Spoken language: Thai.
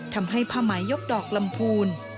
ทำให้ผ้าไหมยกดอกลำพูน